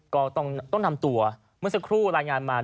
ก็ต้องนำตัวเมื่อสักครู่รายงานมา